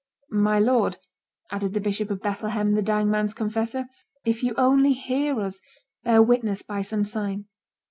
"My lord," added the Bishop of Bethlehem, the dying man's confessor, "if you only hear us, bear witness by some sign."